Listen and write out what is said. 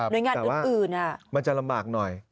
โดยงานอื่นน่ะครับแต่ว่ามันจะลำบากหน่อย